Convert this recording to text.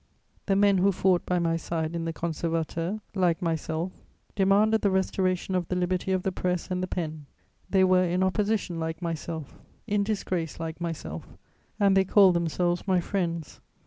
The men who fought by my side in the Conservateur, like myself, demanded the restoration of the liberty of the press and the pen; they were in opposition like myself, in disgrace like myself, and they called themselves my friends.